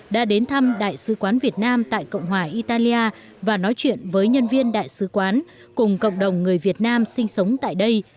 đã đến thăm đại sứ quán việt nam tại cộng hòa italia và nói chuyện với nhân viên đại sứ quán cùng cộng đồng người việt nam sinh sống tại đây